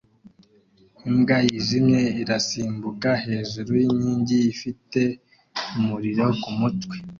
Imbwa yijimye irasimbuka hejuru yinkingi ifite umuriro kumutwe